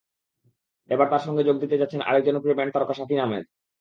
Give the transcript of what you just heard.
এবার তাঁর সঙ্গে যোগ দিতে যাচ্ছেন আরেক জনপ্রিয় ব্যান্ড তারকা শাফিন আহমেদ।